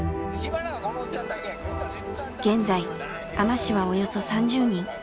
現在海士はおよそ３０人。